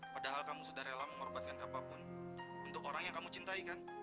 padahal kamu sudah rela mengorbankan apapun untuk orang yang kamu cintai kan